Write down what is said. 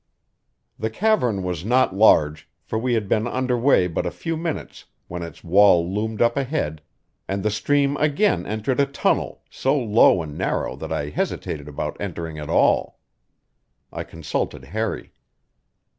The cavern was not large, for we had been under way but a few minutes when its wall loomed up ahead and the stream again entered a tunnel, so low and narrow that I hesitated about entering at all. I consulted Harry.